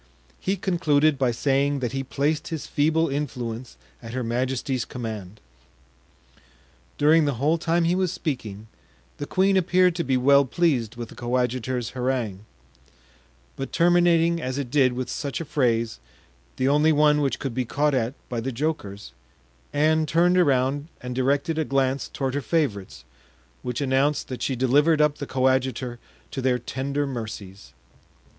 He concluded by saying that he placed his feeble influence at her majesty's command. During the whole time he was speaking, the queen appeared to be well pleased with the coadjutor's harangue; but terminating as it did with such a phrase, the only one which could be caught at by the jokers, Anne turned around and directed a glance toward her favorites, which announced that she delivered up the coadjutor to their tender mercies.